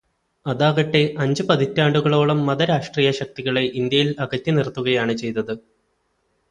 അതാകട്ടെ, അഞ്ചു പതിറ്റാണ്ടുകളോളം മതരാഷ്ട്രീയശക്തികളെ ഇന്ത്യയില് അകറ്റി നിര്ത്തുകയാണു ചെയ്തത്.